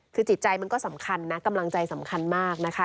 คือจิตใจมันก็สำคัญนะกำลังใจสำคัญมากนะคะ